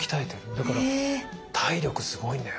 だから体力すごいんだよ。